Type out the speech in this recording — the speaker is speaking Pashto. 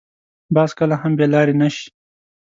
باز کله هم بې لارې نه شي